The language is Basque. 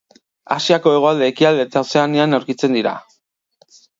Asiako hegoalde, ekialde eta Ozeanian aurkitzen dira.